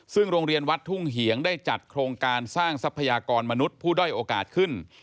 ซึ่งโรงเรียนวัดทุ่งเหียงได้จัดโครงการสร้างทรัพยากรมนุษย์ผู้ด้อยโอกาสขึ้น